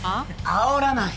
あおらない！